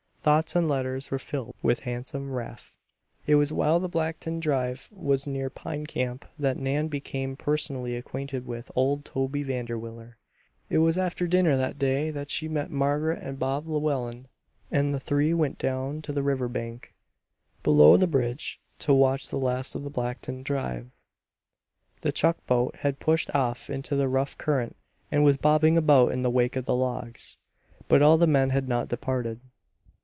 Thoughts and letters were filled with handsome Rafe. It was while the Blackton drive was near Pine Camp that Nan became personally acquainted with old Toby Vanderwiller. It was after dinner that day that she met Margaret and Bob Llewellen and the three went down to the river bank, below the bridge, to watch the last of the Blackton drive. The chuck boat had pushed off into the rough current and was bobbing about in the wake of the logs; but all the men had not departed.